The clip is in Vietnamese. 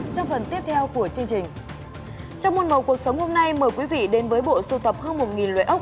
trong môn màu cuộc sống hôm nay mời quý vị đến với bộ sưu tập hơn một loại ốc